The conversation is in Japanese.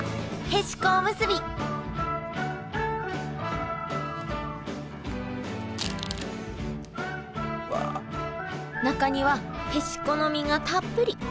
へしこおむすび中にはへしこの身がたっぷり。